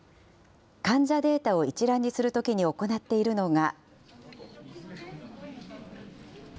患者データを一覧にするときに行っているのが。